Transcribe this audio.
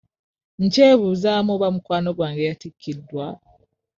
Nkyebuuzaamu oba mukwano gwange yatikiddwa.